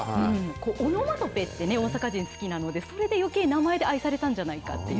オノマトペって、大阪人好きなので、それでよけい名前で愛されたんじゃないかっていう。